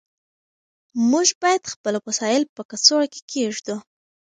موږ باید خپل وسایل په کڅوړه کې کېږدو.